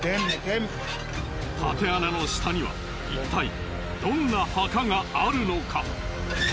たて穴の下にはいったいどんな墓があるのか？